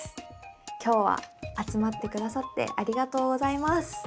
今日は集まってくださってありがとうございます。